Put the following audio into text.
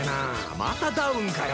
またダウンかよ。